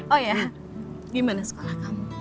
oh ya gimana sekolah kamu